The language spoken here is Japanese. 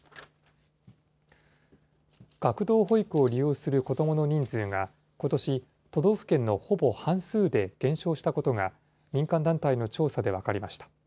学童保育を利用する子どもの人数がことし、都道府県のほぼ半数で減少したことが、民間団体の調査で分かりました。